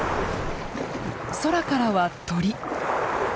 空からは鳥。